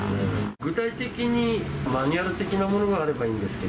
具体的にマニュアル的なものがあればいいんですけど。